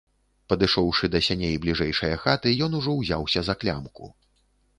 Падышоўшы да сяней бліжэйшае хаты, ён ужо ўзяўся за клямку.